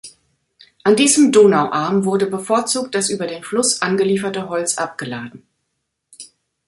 An diesem Donauarm wurde bevorzugt das über den Fluss angelieferte Holz abgeladen.